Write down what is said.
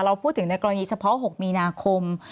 พูดถึงในกรณีเฉพาะ๖มีนาคม